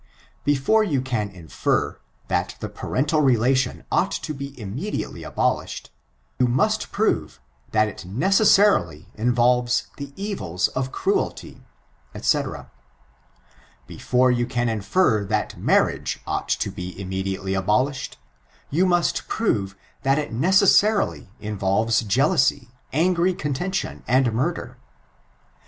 Before you can infer, that the parental relation ought , to be immediately abolished, you must prove, that it nece9sarUy involves the evils of cruelty, &c. Before you can infer, that marriage ought to be immediately abolished, you must prove that it neeasarily involves jealousy, angry contention, and murder.